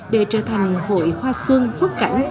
để trở thành hội hoa xương quốc cảnh